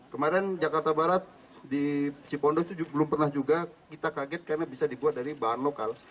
kemarin jakarta barat di cipondos itu belum pernah juga kita kaget karena bisa dibuat dari bahan lokal